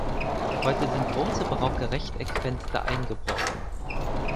Heute sind große barocke Rechteckfenster eingebrochen.